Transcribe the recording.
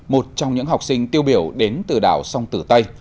một trong những học sinh tiêu biểu đến từ đảo sông tử tây